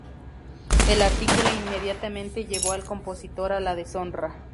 El artículo inmediatamente llevó al compositor a la deshonra.